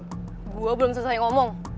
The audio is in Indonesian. gue belum selesai ngomong